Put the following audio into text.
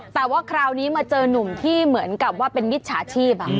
แต่ว่าคราวนี้มาเจอนุ่มที่เหมือนกับว่าเป็นมิจฉาชีพ